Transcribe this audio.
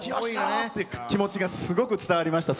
気持ちがすごく伝わりました。